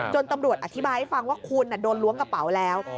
ตำรวจอธิบายให้ฟังว่าคุณโดนล้วงกระเป๋าแล้ว